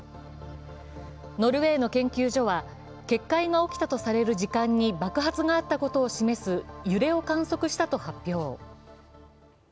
ノルウェーの研究所は決壊が起きたとされる時間に爆発があったことを示す揺れを観測したと発表。